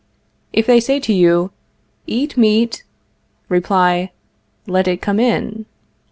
If they say to you: Eat meat Reply: Let it come in.